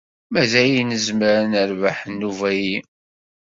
Mazal nezmer ad nerbeḥ nnuba-yi.